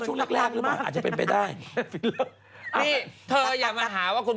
หรือใจเธอไม่คิดนภาพใจเธอไม่คิด